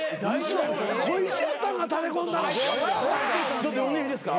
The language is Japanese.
ちょっと読んでいいですか？